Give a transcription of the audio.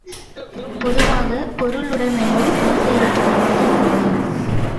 பொதுவாக, பொருளுடைமையில் ஆசையிருப்பதென்பது மரபு.